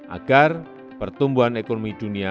agar pertumbuhan ekonomi dunia